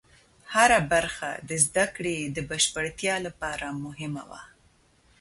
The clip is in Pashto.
هره برخه د زده کړې د بشپړتیا لپاره مهمه وه.